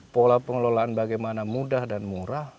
pola pengelolaan bagaimana mudah dan murah